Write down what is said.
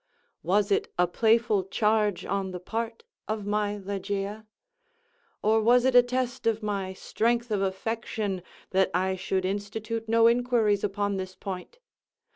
Was it a playful charge on the part of my Ligeia? or was it a test of my strength of affection, that I should institute no inquiries upon this point?